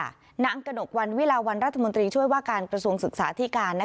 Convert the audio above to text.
นางกระหนกวันวิลาวันรัฐมนตรีช่วยว่าการกระทรวงศึกษาที่การ